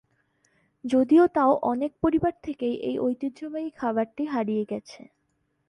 যদিও তাও অনেক পরিবার থেকেই এই ঐতিহ্যবাহী খাবারটি হারিয়ে গেছে।